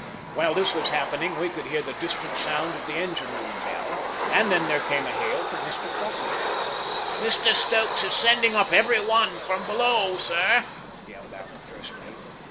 While this was happening we could hear the distant sound of the engine room bell, and then there came a hail from Mr Fosset. "Mr Stokes is sending up every one from below, sir," yelled out the first mate.